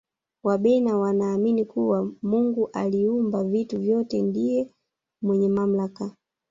wabena wanaamini kuwa mungu aliumba vitu vyote ndiye mwenye mamlaka